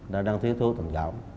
nó đang thiếu thú tình cảm